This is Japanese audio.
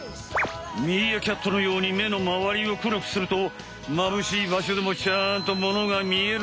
ミーアキャットのように目のまわりを黒くするとまぶしいばしょでもちゃんと物が見えるのか？